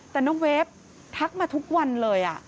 แต่น้องเวฟทักมาทุกวันเลย